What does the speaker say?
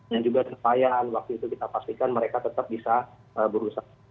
yang juga nelayan waktu itu kita pastikan mereka tetap bisa berusaha